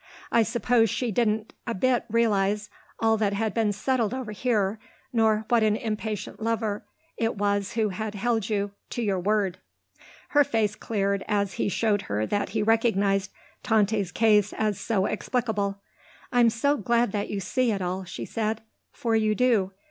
I suppose she didn't a bit realise all that had been settled over here, nor what an impatient lover it was who held you to your word." Her face cleared as he showed her that he recognised Tante's case as so explicable. "I'm so glad that you see it all," she said. "For you do.